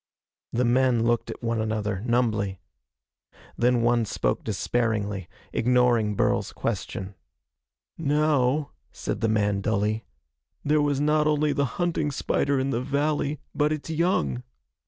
The men looked at one another, numbly. Then one spoke despairingly, ignoring Burl's question. "Now," said the man dully, "there was not only the hunting spider in the valley, but its young.